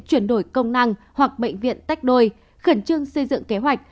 chuyển đổi công năng hoặc bệnh viện tách đôi khẩn trương xây dựng kế hoạch